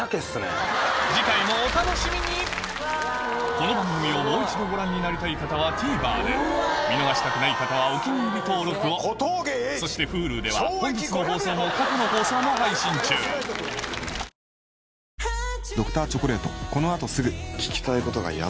次回もお楽しみにこの番組をもう一度ご覧になりたい方はＴＶｅｒで見逃したくない方は「お気に入り」登録をそしてＨｕｌｕでは本日の放送も過去の放送も配信中いらっしゃいませ！